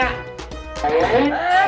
pasti enak bapak deh